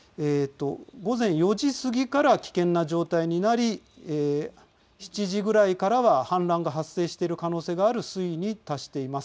午前４時過ぎから危険な状態になり７時ぐらいからは氾濫が発生している可能性がある水位に達しています。